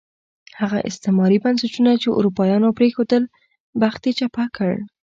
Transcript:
هغه استعماري بنسټونه چې اروپایانو پرېښودل، بخت یې چپه کړ.